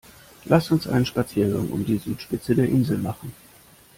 Lass uns einen Spaziergang um die Südspitze der Insel machen!